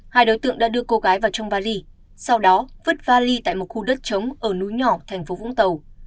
hai đối tượng đã đưa cô gái vào trong vali sau đó vứt vali tại một khu đất trống ở núi nhỏ thành phố vũng tàu